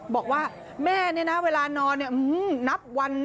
บอกว่าแม่นี่นะเวลานอนนับวัน